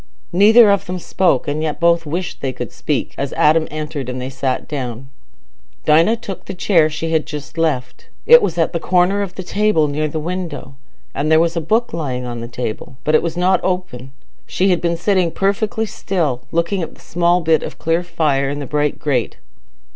Neither of them spoke, and yet both wished they could speak, as Adam entered, and they sat down. Dinah took the chair she had just left; it was at the corner of the table near the window, and there was a book lying on the table, but it was not open. She had been sitting perfectly still, looking at the small bit of clear fire in the bright grate.